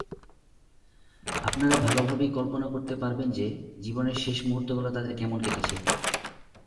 আপনারা ভালোভাবেই কল্পনা করতে পারবেন যে জীবনের শেষ মুহূর্তগুলো তাদের কেমন কেটেছে।